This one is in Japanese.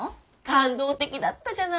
感動的だったじゃない。